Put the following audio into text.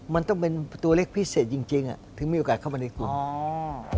มันต้องเป็นตัวเล็กพิเศษจริงถึงมีโอกาสเข้ามาในกลุ่ม